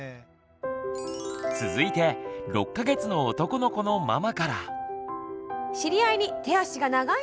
続いて６か月の男の子のママから。